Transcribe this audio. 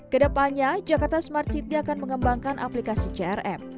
kedepannya jakarta smart city akan mengembangkan aplikasi crm